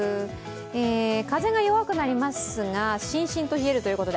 風が弱くなりますが、しんしんと冷えるということで